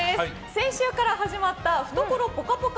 先週から始まった懐ぽかぽか！